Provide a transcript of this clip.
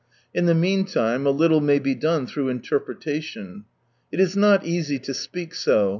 In the meantime a little may be done through imerpretaiion. It is not easy to speak so.